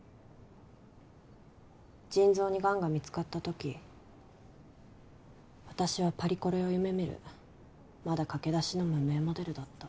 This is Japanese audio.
腎臓にがんが見つかった時私はパリコレを夢見るまだ駆け出しの無名モデルだった。